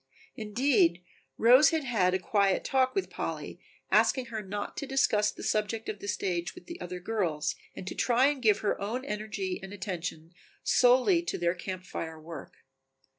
Indeed, Rose had had a quiet talk with Polly asking her not to discuss the subject of the stage with the other girls and to try and give her own energy and attention solely to their Camp Fire work.